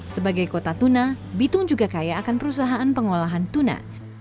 sebagai kota tuna bitung juga kaya akan perusahaan pengolahan tuna